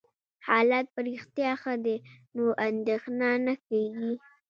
حالت په رښتیا ښه دی، نو اندېښنه نه کېږي.